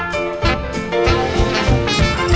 สวัสดีครับ